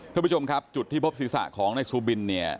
ท่านผู้ชมครับจุดที่พบศีรษะของนายซูบินเนี่ย